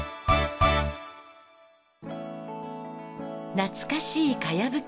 懐かしいかやぶき